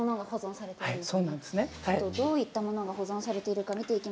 どういったものが保存されているのか